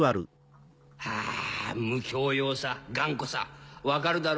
あ無教養さ頑固さ分かるだろ？